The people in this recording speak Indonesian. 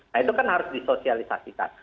nah itu kan harus disosialisasikan